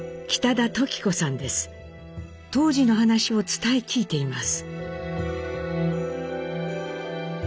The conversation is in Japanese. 当時の話を伝え聞いています。